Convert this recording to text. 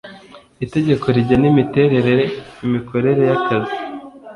itegeko rigena imiterere imikorere ya kazi